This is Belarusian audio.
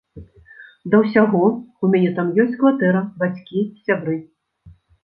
Да ўсяго, у мяне там ёсць кватэра, бацькі, сябры.